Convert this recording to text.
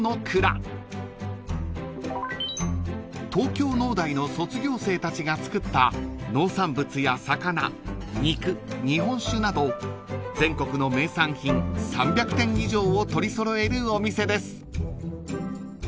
［東京農大の卒業生たちが作った農産物や魚肉日本酒など全国の名産品３００点以上を取り揃えるお店です］